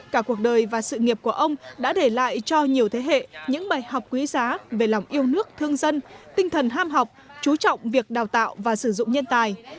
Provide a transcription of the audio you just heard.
cả cuộc đời và sự nghiệp của ông đã để lại cho nhiều thế hệ những bài học quý giá về lòng yêu nước thương dân tinh thần ham học chú trọng việc đào tạo và sử dụng nhân tài